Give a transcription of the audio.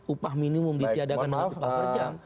upah minimum ditiadakan dari tipe pekerja